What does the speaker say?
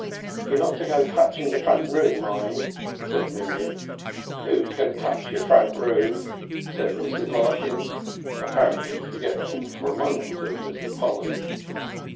"You're not to go touching the front room mind," said Miriam. "Who's going to touch yer front room?" said Mrs. Larkins, apparently forgetful for a moment of Mr. Polly.